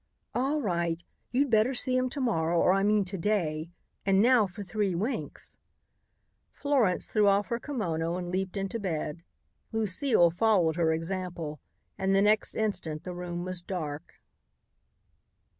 "All right, you'd better see him to morrow, or I mean to day. And now for three winks." Florence threw off her kimono and leaped into bed. Lucile followed her example and the next instant the room was dark.